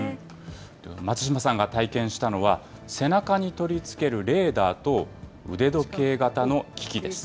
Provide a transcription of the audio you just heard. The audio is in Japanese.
松島さんが体験したのは、背中に取り付けるレーダーと、腕時計型の機器です。